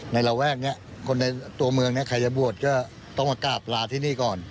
ระแวกนี้คนในตัวเมืองเนี่ยใครจะบวชก็ต้องมากราบลาที่นี่ก่อน